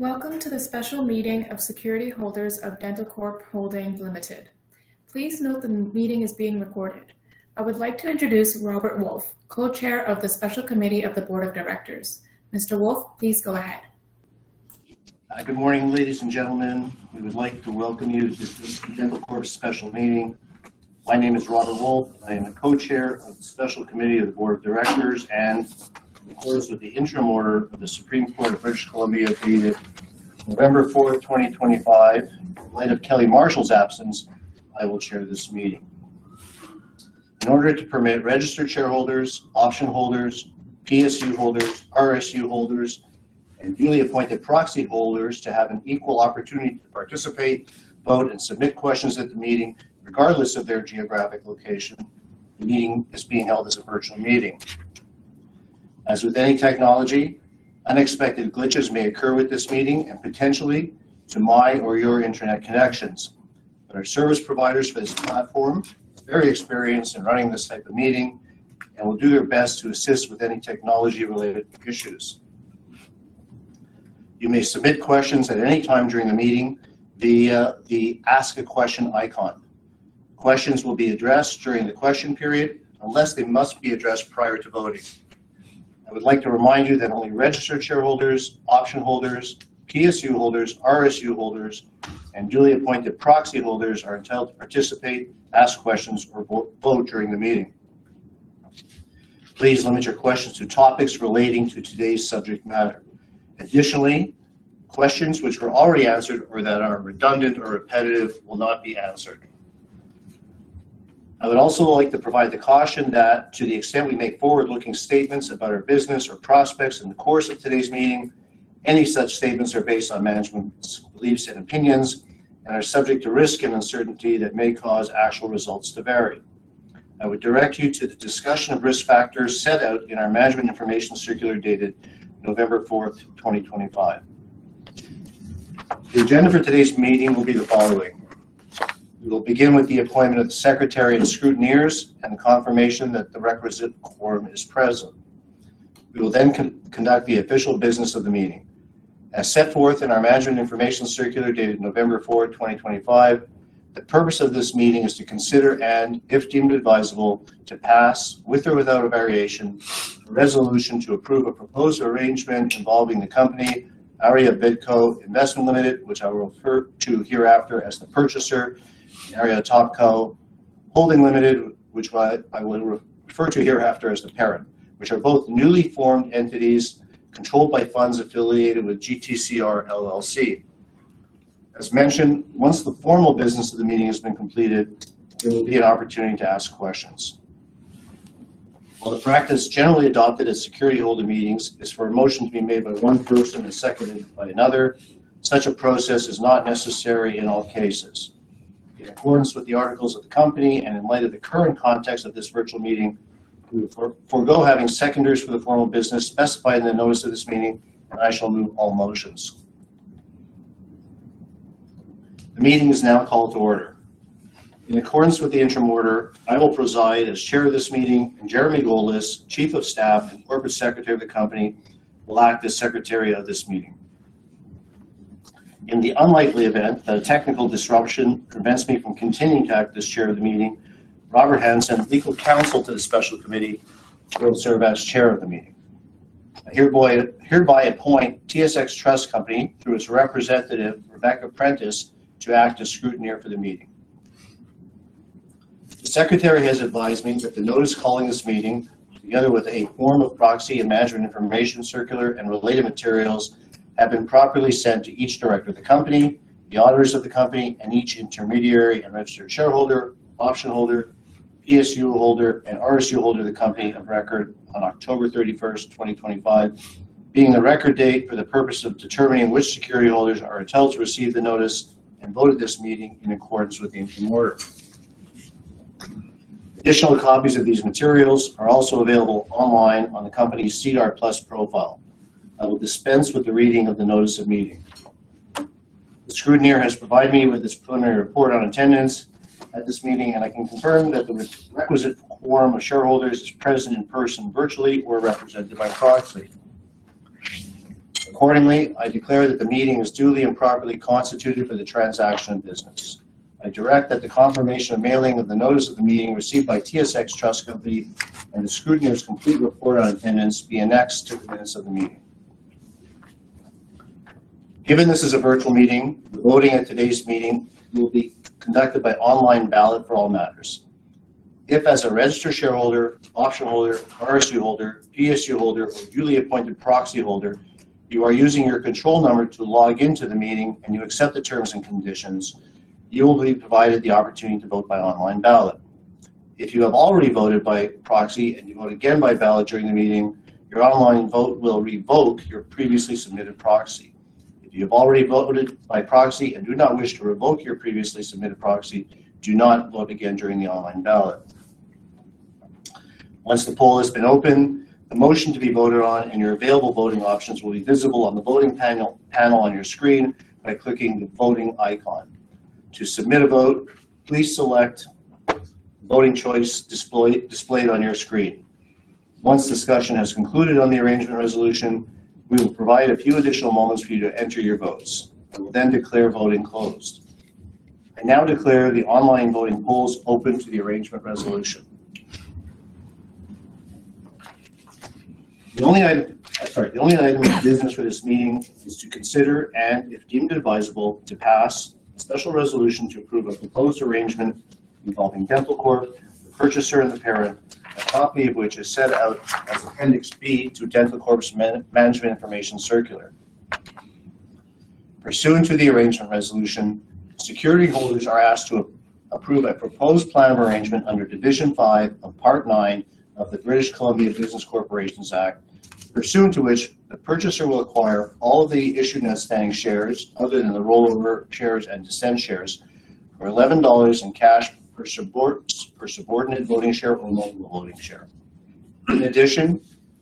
Welcome to the special meeting of security holders of Dentalcorp Holdings Ltd. Please note the meeting is being recorded. I would like to introduce Robert Wolf, co-chair of the special committee of the board of directors. Mr. Wolf, please go ahead. Good morning, ladies and gentlemen. We would like to welcome you to this Dentalcorp special meeting. My name is Robert Wolf. I am the Co-chair of the special committee of the board of directors and, of course, with the interim order of the Supreme Court of British Columbia dated November 4, 2025, in light of Kelly Marshall's absence, I will chair this meeting. In order to permit registered shareholders, option holders, PSU holders, RSU holders, and duly appointed proxy holders to have an equal opportunity to participate, vote, and submit questions at the meeting, regardless of their geographic location, the meeting is being held as a virtual meeting. As with any technology, unexpected glitches may occur with this meeting and potentially to my or your internet connections. But our service providers for this platform are very experienced in running this type of meeting and will do their best to assist with any technology-related issues. You may submit questions at any time during the meeting via the Ask a Question icon. Questions will be addressed during the question period unless they must be addressed prior to voting. I would like to remind you that only registered shareholders, option holders, PSU holders, RSU holders, and duly appointed proxy holders are entitled to participate, ask questions, or vote during the meeting. Please limit your questions to topics relating to today's subject matter. Additionally, questions which were already answered or that are redundant or repetitive will not be answered. I would also like to provide the caution that to the extent we make forward-looking statements about our business or prospects in the course of today's meeting, any such statements are based on management's beliefs and opinions and are subject to risk and uncertainty that may cause actual results to vary. I would direct you to the discussion of risk factors set out in our management information circular dated November 4, 2025. The agenda for today's meeting will be the following. We will begin with the appointment of the secretary and scrutineers and confirmation that the requisite quorum is present. We will then conduct the official business of the meeting. As set forth in our Management Information Circular dated November 4, 2025, the purpose of this meeting is to consider and, if deemed advisable, to pass with or without a variation, a resolution to approve a proposed arrangement involving the company, Aria Bidco Investment Limited, which I will refer to hereafter as the purchaser, and Aria Topco Holding Limited, which I will refer to hereafter as the parent, which are both newly formed entities controlled by funds affiliated with GTCR LLC. As mentioned, once the formal business of the meeting has been completed, there will be an opportunity to ask questions. While the practice generally adopted at securityholder meetings is for a motion to be made by one person and seconded by another, such a process is not necessary in all cases. In accordance with the articles of the company and in light of the current context of this virtual meeting, we will forgo having seconders for the formal business specified in the notice of this meeting, and I shall move all motions. The meeting is now called to order. In accordance with the Interim Order, I will preside as chair of this meeting, and Jeremy Golis, Chief of Staff and Corporate Secretary of the company, will act as secretary of this meeting. In the unlikely event that a technical disruption prevents me from continuing to act as chair of the meeting, Robert Hansen, Legal Counsel to the special committee, will serve as chair of the meeting. I hereby appoint TSX Trust Company through its representative, Rebecca Prentiss, to act as scrutineer for the meeting. The secretary has advised me that the notice calling this meeting, together with a form of proxy and Management Information Circular and related materials, have been properly sent to each director of the company, the auditors of the company, and each intermediary and registered shareholder, option holder, PSU holder, and RSU holder of the company of record on October 31, 2025, being the record date for the purpose of determining which security holders are entitled to receive the notice and vote at this meeting in accordance with the Interim Order. Additional copies of these materials are also available online on the company's SEDAR+ profile. I will dispense with the reading of the notice of meeting. The scrutineer has provided me with his preliminary report on attendance at this meeting, and I can confirm that the requisite quorum of shareholders is present in person, virtually, or represented by proxy. Accordingly, I declare that the meeting is duly and properly constituted for the transaction of business. I direct that the confirmation of mailing of the notice of the meeting received by TSX Trust Company and the scrutineer's complete report on attendance be annexed to the minutes of the meeting. Given this is a virtual meeting, the voting at today's meeting will be conducted by online ballot for all matters. If, as a registered shareholder, option holder, RSU holder, PSU holder, or duly appointed proxy holder, you are using your control number to log into the meeting and you accept the terms and conditions, you will be provided the opportunity to vote by online ballot. If you have already voted by proxy and you vote again by ballot during the meeting, your online vote will revoke your previously submitted proxy. If you have already voted by proxy and do not wish to revoke your previously submitted proxy, do not vote again during the online ballot. Once the poll has been open, the motion to be voted on and your available voting options will be visible on the voting panel on your screen by clicking the voting icon. To submit a vote, please select the voting choice displayed on your screen. Once discussion has concluded on the Arrangement Resolution, we will provide a few additional moments for you to enter your votes. I will then declare voting closed. I now declare the online voting polls open to the Arrangement Resolution. The only item. I'm sorry. The only item of business for this meeting is to consider and, if deemed advisable, to pass a special resolution to approve a proposed arrangement involving Dentalcorp, the purchaser, and the parent, a copy of which is set out as Appendix B to Dentalcorp's management information circular. Pursuant to the arrangement resolution, security holders are asked to approve a proposed plan of arrangement under Division 5 of Part 9 of the British Columbia Business Corporations Act, pursuant to which the purchaser will acquire all of the issued and outstanding shares other than the rollover shares and dissent shares for 11 dollars in cash per subordinate voting share or multiple voting share. In addition,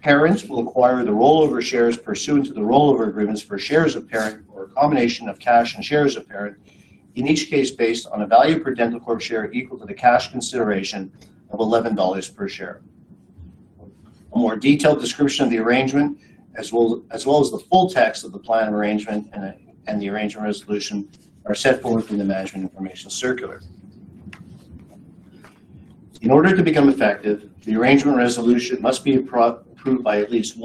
Parent will acquire the Rollover Shares pursuant to the rollover agreements for shares of Parent or a combination of cash and shares of Parent, in each case based on a value per Dentalcorp share equal to the cash consideration of 11 dollars per share. A more detailed description of the arrangement, as well as the full text of the plan of arrangement and the arrangement resolution, are set forth in the Management Information Circular. In order to become effective, the Arrangement Resolution must be approved by at least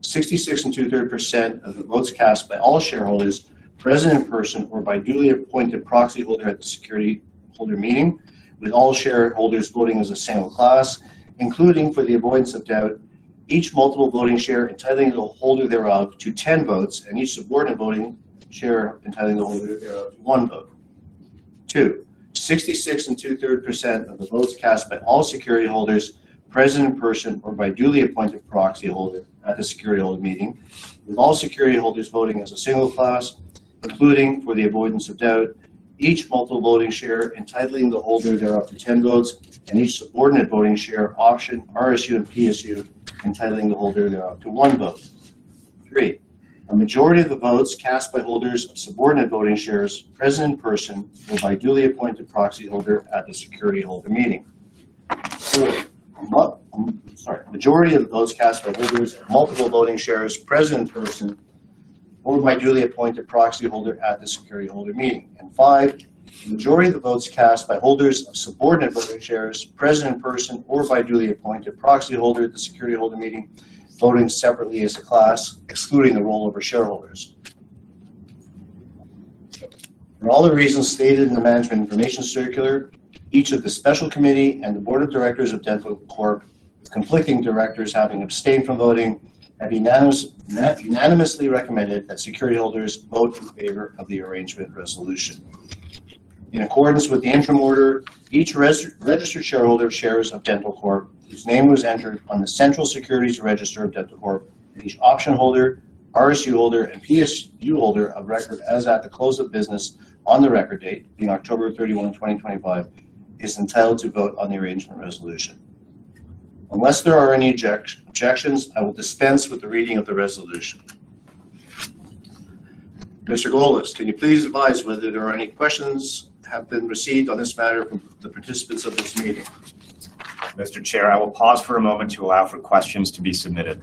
66 2/3% of the votes cast by all shareholders present in person or by duly appointed proxy holder at the security holder meeting, with all shareholders voting as a single class, including for the avoidance of doubt, each Multiple Voting Share entitling the holder thereof to 10 votes and each Subordinate Voting Share entitling the holder thereof to one vote. 66 2/3% of the votes cast by all security holders present in person or by duly appointed proxy holder at the security holder meeting, with all security holders voting as a single class, including for the avoidance of doubt, each Multiple Voting Share entitling the holder thereof to 10 votes and each Subordinate Voting Share, option, RSU, and PSU, entitling the holder thereof to one vote. 3, a majority of the votes cast by holders of subordinate voting shares present in person or by duly appointed proxy holder at the security holder meeting. 4, a majority of the votes cast by holders of multiple voting shares present in person or by duly appointed proxy holder at the security holder meeting. And 5, a majority of the votes cast by holders of subordinate voting shares present in person or by duly appointed proxy holder at the security holder meeting, voting separately as a class, excluding the rollover shareholders. For all the reasons stated in the management information circular, each of the special committee and the board of directors of Dentalcorp, with conflicting directors having abstained from voting, have unanimously recommended that security holders vote in favor of the arrangement resolution. In accordance with the Interim Order, each registered shareholder of shares of Dentalcorp, whose name was entered on the central securities register of Dentalcorp, and each option holder, RSU holder, and PSU holder of record as at the close of business on the record date being October 31, 2025, is entitled to vote on the Arrangement Resolution. Unless there are any objections, I will dispense with the reading of the resolution. Mr. Golis, can you please advise whether there are any questions that have been received on this matter from the participants of this meeting? Mr. Chair, I will pause for a moment to allow for questions to be submitted.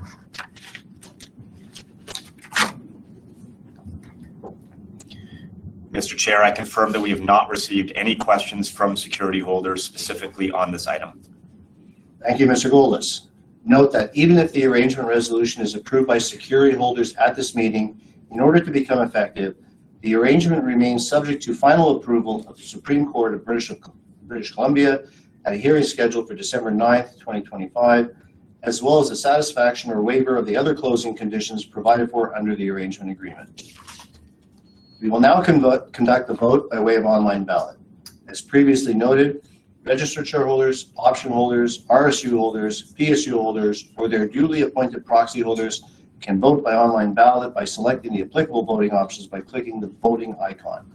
Mr. Chair, I confirm that we have not received any questions from security holders specifically on this item. Thank you, Mr. Golis. Note that even if the arrangement resolution is approved by security holders at this meeting, in order to become effective, the arrangement remains subject to final approval of the Supreme Court of British Columbia at a hearing scheduled for December 9, 2025, as well as the satisfaction or waiver of the other closing conditions provided for under the arrangement agreement. We will now conduct the vote by way of online ballot. As previously noted, registered shareholders, option holders, RSU holders, PSU holders, or their duly appointed proxy holders can vote by online ballot by selecting the applicable voting options by clicking the voting icon.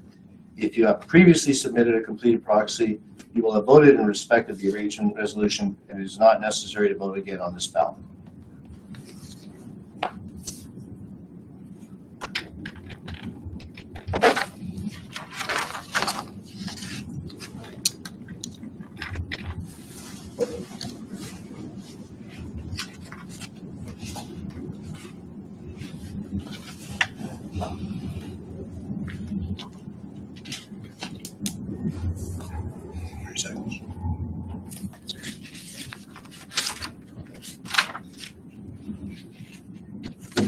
If you have previously submitted a completed proxy, you will have voted in respect of the arrangement resolution and it is not necessary to vote again on this ballot.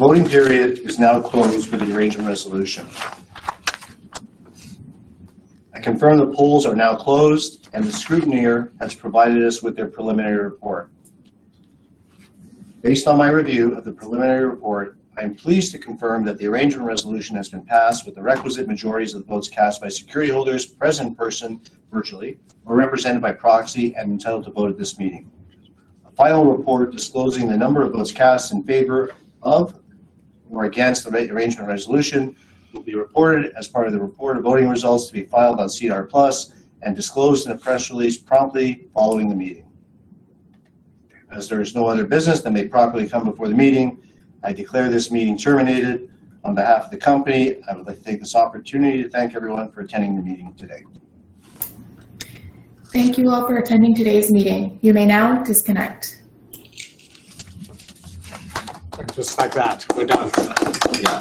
The voting period is now closed for the arrangement resolution. I confirm the polls are now closed and the scrutineer has provided us with their preliminary report. Based on my review of the preliminary report, I am pleased to confirm that the arrangement resolution has been passed with the requisite majorities of the votes cast by security holders present in person, virtually, or represented by proxy and entitled to vote at this meeting. A final report disclosing the number of votes cast in favor of or against the arrangement resolution will be reported as part of the report of voting results to be filed on SEDAR+ and disclosed in a press release promptly following the meeting. As there is no other business that may properly come before the meeting, I declare this meeting terminated. On behalf of the company, I would like to take this opportunity to thank everyone for attending the meeting today. Thank you all for attending today's meeting. You may now disconnect. Just like that. We're done. Yeah.